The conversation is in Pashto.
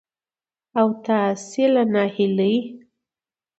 او تاسې له ناهيلۍ